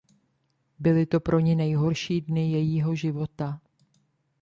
Byly to pro ni nejhorší dny jejího života.